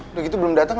udah gitu belum datang